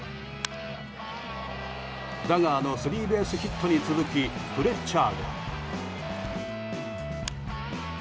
ダガーのスリーベースヒットに続きフレッチャーが。